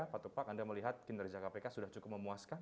pak tupak anda melihat kinerja kpk sudah cukup memuaskan